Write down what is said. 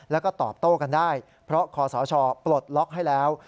แล้วก็ตอบโต้กันได้เพราะคอสชปลดล็อกให้แล้ว